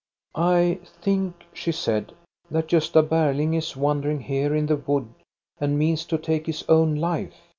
I think," she said, " that Gosta Berling is wander ing here in the wood, and means to take his own life.